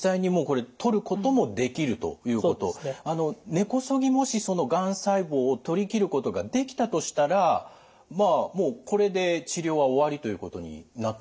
根こそぎもしがん細胞を取り切ることができたとしたらもうこれで治療は終わりということになってくるんでしょうか？